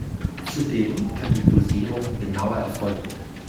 Zudem kann die Dosierung genauer erfolgen.